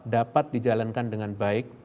dapat dijalankan dengan baik